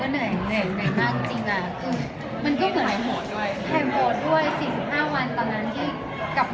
ด้วย๔๕วันตอนนั้นก็